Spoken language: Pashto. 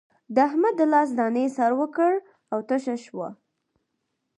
د احمد د لاس دانې سر وکړ او تشه شوه.